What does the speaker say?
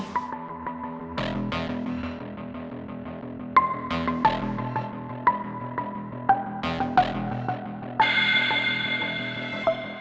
pernah nanya soalnya